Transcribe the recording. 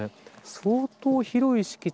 相当広い敷地。